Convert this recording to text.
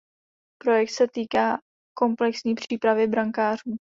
Projekt sa týká komplexní přípravy brankářů.